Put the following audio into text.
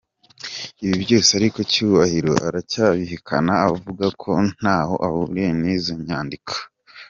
Ibi byose ariko Cyubahiro arabihakana akavuga ko ntaho ahuriye n’izo nyandiko